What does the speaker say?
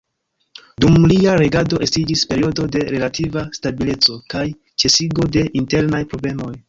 Dum lia regado estiĝis periodo de relativa stabileco kaj ĉesigo de internaj problemoj.